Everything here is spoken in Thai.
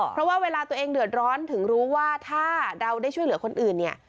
เพราะว่าเวลาตัวเองเดือดร้อนถึงรู้ว่าถ้าเราได้ช่วยเหลือคนอื่นเนี่ย